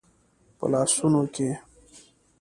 په لاسونو کې